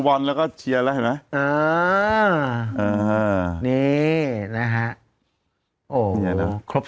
โหครบสุดนะครับ